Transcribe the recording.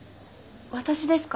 私ですか？